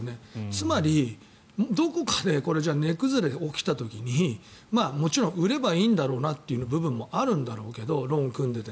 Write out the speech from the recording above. つまりどこかで値崩れが起きた時にもちろん売ればいいんだろうなという部分もあるんだけどローン組んで。